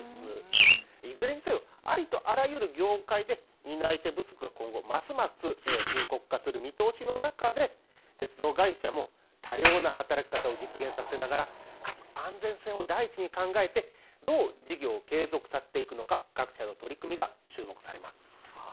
いずれにせよ、ありとあらゆる業界で担い手不足が今後、ますます深刻化する見通しの中で鉄道会社も多様な働き方を実現させながら、かつ安全性を第一に考えてどう事業を継続させていくのか各社の取り組みが注目されます。